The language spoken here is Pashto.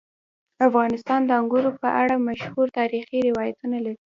افغانستان د انګورو په اړه مشهور تاریخي روایتونه لري.